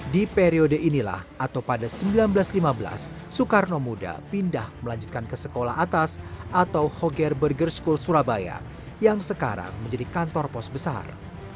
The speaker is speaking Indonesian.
di periode inilah atau pada seribu sembilan ratus lima belas soekarno muda pindah melanjutkan ke sekolah atas atau hoger burger school surabaya yang sekarang menjadi kantor pos besar